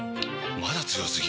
まだ強すぎ？！